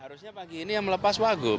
harusnya pagi ini yang melepas wagub